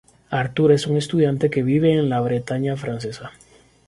Arthur es un estudiante que vive en la Bretaña francesa.